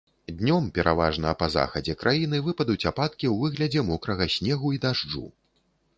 Днём пераважна па захадзе краіны выпадуць ападкі ў выглядзе мокрага снегу і дажджу.